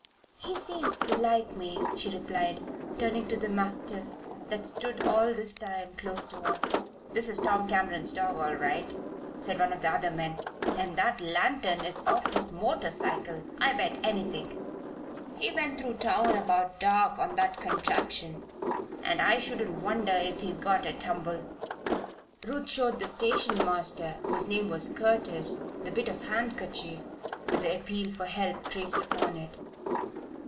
"He seems to like me," she replied, turning to the mastiff that had stood all this time close to her. "That is Tom Cameron's dog all right," said one of the other men. "And that lantern is off his motorcycle, I bet anything! He went through town about dark on that contraption, and I shouldn't wonder if he's got a tumble." Ruth showed the station master, whose name was Curtis, the bit of handkerchief with the appeal for help traced upon it.